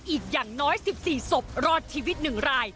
อีกอย่างน้อย๑๔ศพรอดชีวิต๑ราย